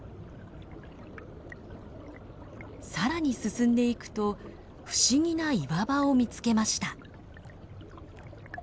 さらに進んで行くと不思議な岩場を見つけました。